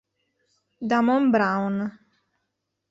Damone Brown